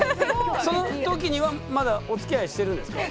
その時にはまだおつきあいしてるんですか？